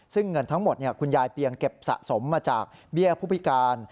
ซึ่งเงินทั้งหมดคุณยายเปียงเก็บสะสมมาจากเบี้ยผู้พิการ